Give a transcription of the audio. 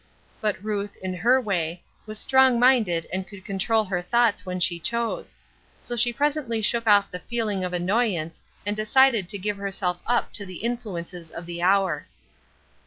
But Ruth, in her way, was strong minded and could control her thoughts when she chose; so she presently shook off the feeling of annoyance and decided to give herself up to the influences of the hour.